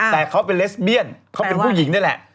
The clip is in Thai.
แต่เขาเป็นเลสเบียนเขาเป็นผู้หญิงนี่แหละ